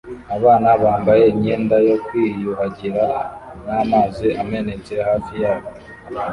Abana bambaye imyenda yo kwiyuhagira n'amazi amenetse hafi yabo